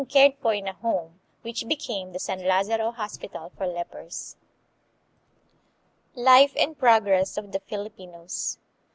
cared for in a home, which became the San Lazaro hos pital for lepers. Life and Progress of the Filipinos.